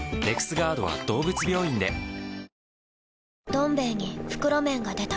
「どん兵衛」に袋麺が出た